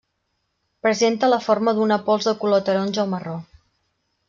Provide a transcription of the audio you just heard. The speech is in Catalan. Presenta la forma d'una pols de color taronja o marró.